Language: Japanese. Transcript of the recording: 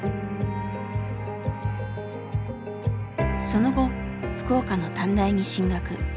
その後福岡の短大に進学。